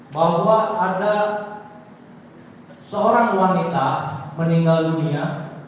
bahwa ada seorang wanita meninggal dunia